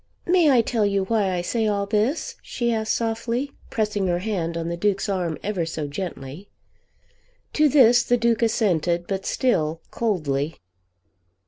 "May I tell you why I say all this?" she asked softly, pressing her hand on the Duke's arm ever so gently. To this the Duke assented, but still coldly.